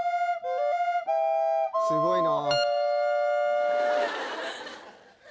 すごいな！